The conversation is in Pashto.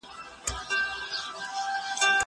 زه اوږده وخت درسونه اورم وم!